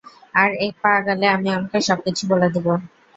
আর এক পা আগালে আমি ওনাকে সবকিছু বলে দেব।